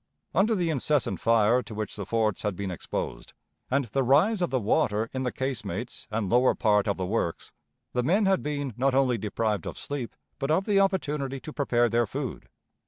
Under the incessant fire to which the forts had been exposed, and the rise of the water in the casemates and lower part of the works, the men had been not only deprived of sleep, but of the opportunity to prepare their food.